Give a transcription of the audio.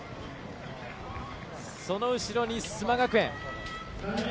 その後ろに須磨学園。